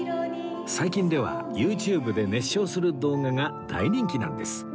最近では ＹｏｕＴｕｂｅ で熱唱する動画が大人気なんです